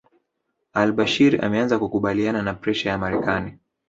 AlBashir ameanza kukubaliana na presha ya Marekani